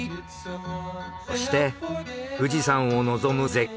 そして富士山を望む絶景。